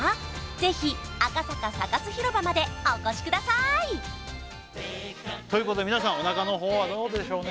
ぜひ赤坂Ｓａｃａｓ広場までお越しくださいということでみなさんお腹の方はどうでしょうね